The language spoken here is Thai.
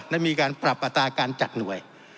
ได้มีการปรับอัตราการจัดหน่วย